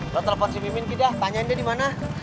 lo telepon si mimin tidak tanyain dia dimana